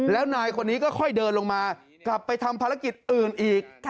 แล้วนายคนนี้ก็ค่อยเดินลงมากลับไปทำภารกิจอื่นอีก